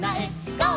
「ゴー！